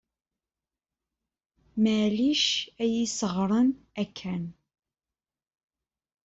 Maɣef ay as-ɣran akken?